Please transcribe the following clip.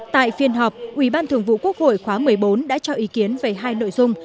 tại phiên họp ubthq một mươi bốn đã cho ý kiến về hai nội dung